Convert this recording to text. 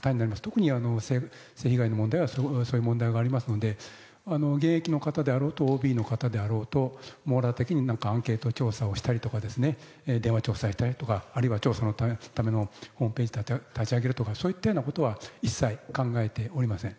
特に性被害の問題は、そういう問題がありますので、現役の方であろうと、ＯＢの方であろうと、網羅的にアンケート調査をしたりとか、電話調査をしたりとか、あるいは調査のためのホームページを立ち上げるとか、そういったようなことは一切考えておりません。